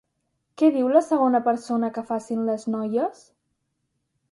Què diu la segona persona que facin les noies?